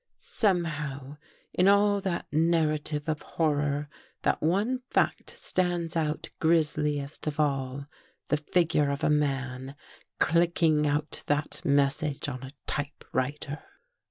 Somehow, in all that narrative of horror, that one fact stands out grisliest of all — the figure of a man clicking off that message on a typewriter.